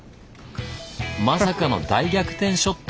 まさかの大逆転ショット！